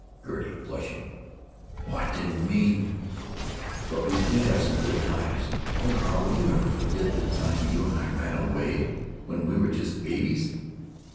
Gertie (flushing): "Oh, I didn't mean——But we did have some good times. Oh, Carl, will you ever forget the time you and I ran away when we were just babies?"